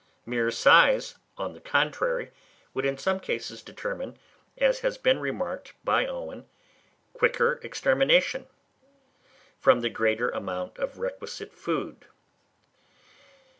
Mere size, on the contrary, would in some cases determine, as has been remarked by Owen, quicker extermination, from the greater amount of requisite food.